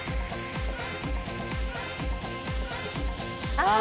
ああ！